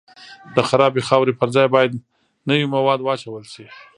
د خرابې خاورې پر ځای باید نوي مواد واچول شي